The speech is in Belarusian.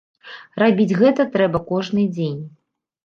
Рабіць гэта трэба кожны дзень.